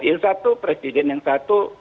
yang satu presiden yang satu